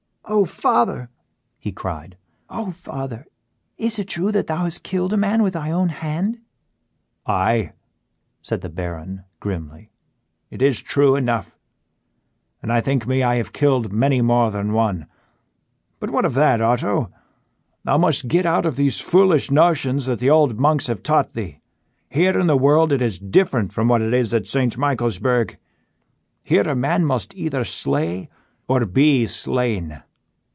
"Oh, father!" he cried, "oh, father! Is it true that thou hast killed a man with thy own hand?" "Aye," said the Baron, grimly, "it is true enough, and I think me I have killed many more than one. But what of that, Otto? Thou must get out of those foolish notions that the old monks have taught thee. Here in the world it is different from what it is at St. Michaelsburg; here a man must either slay or be slain."